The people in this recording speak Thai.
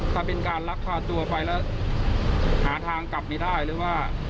ถ้าเป็นการลักพาตัวไปแล้วหาทางกลับไม่ได้หรือว่า